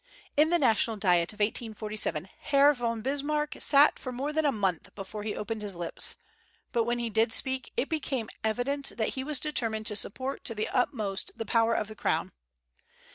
In the National Diet of 1847, Herr von Bismarck sat for more than a month before he opened his lips; but when he did speak it became evident that he was determined to support to the utmost the power of the crown.